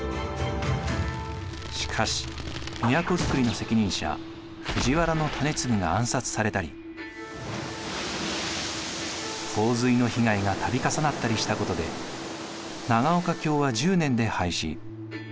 しかし都づくりの責任者藤原種継が暗殺されたり洪水の被害が度重なったりしたことで長岡京は１０年で廃止。